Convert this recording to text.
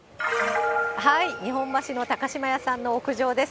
日本橋の高島屋さんの屋上です。